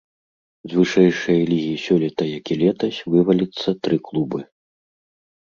З вышэйшай лігі сёлета, як і летась, вываліцца тры клубы.